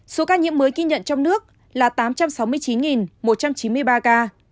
số ca nhiễm mới ghi nhận trong nước là tám trăm sáu mươi chín một trăm chín mươi ba ca